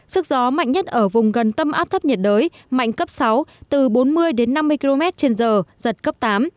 sức gió mạnh nhất ở vùng gần tâm áp thấp nhiệt đới mạnh cấp sáu từ bốn mươi đến năm mươi km trên giờ giật cấp tám